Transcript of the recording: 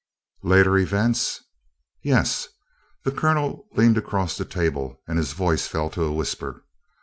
"Later events?" "Yes." The Colonel leaned across the table and his voice fell to a whisper.